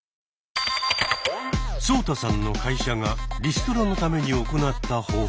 ソウタさんの会社がリストラのために行った方法。